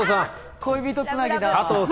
恋人つなぎだ。